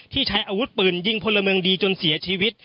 ใช้อาวุธปืนยิงพลเมืองดีจนเสียชีวิต